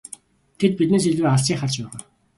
Тэд биднээс илүү алсыг харж байгаа.